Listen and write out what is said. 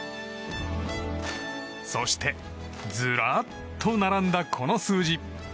そして、ずらーっと並んだこの数字。